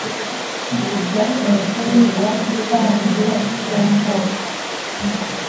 yari umutoni w'akadosohoka